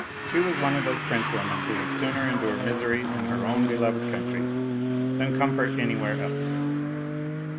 She was one of those French women who would sooner endure misery in their own beloved country than comfort anywhere else.